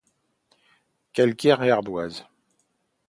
Calcaire et ardoise.